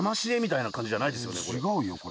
違うよこれ。